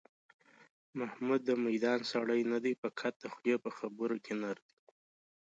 محمود د میدان سړی نه دی، فقط د خولې په خبرو کې نر دی.